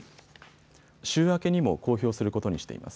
週明けにも公表することにしています。